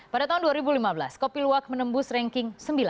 pada tahun dua ribu lima belas kopi luwak menembus ranking sembilan